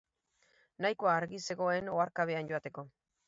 Nahikoa argi zegoen oharkabean joateko.